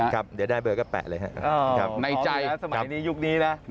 ครับเดี๋ยวได้เบอร์ก็แปะเลยครับ